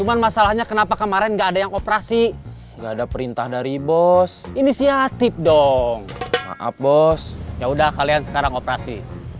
buas ngasih perintah buat operasi